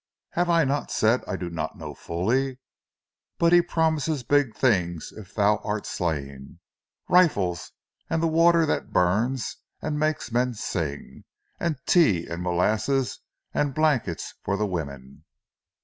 "Have I not said I do not know fully? But he promises big things if thou are slain: rifles and the water that burns and makes men sing, and tea and molasses, and blankets for the women."